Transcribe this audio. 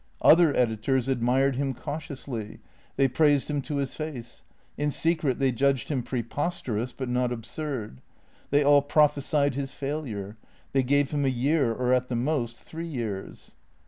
Other editors admired him cautiously ; they praised him to his face ; in secret they judged him preposterous, but not absurd. They all prophesied his failure; they gave him a year, or at the most three years.